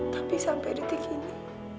tapi sampai detik ini